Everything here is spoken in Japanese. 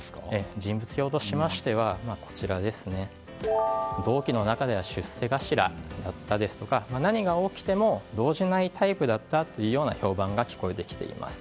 人物評としましては同期の中では出世頭だったですとか何が起きても動じないタイプだったという評判が聞こえてきています。